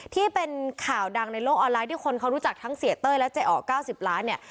ที่เป็นข่าวดังในโลกออนไลน์ที่คนเขารู้จักทั้งเสียเต้ยและเจ๊อ๋อ๙๐ล้านเนี่ย